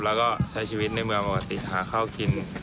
แล้วก็ใช้ชีวิตในเมืองปกติหาข้าวกิน